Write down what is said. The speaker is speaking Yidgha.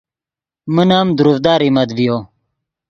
من ام دروڤدا ریمت ڤیو